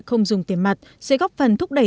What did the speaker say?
không dùng tiền mặt sẽ góp phần thúc đẩy